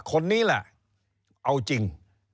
คนนี้แหละเอาจริง